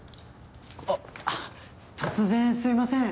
あっ突然すいません